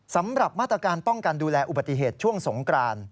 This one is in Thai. สำหรับมาตรการป้องกันดูแลอุบัติเหตุช่วงสงกราน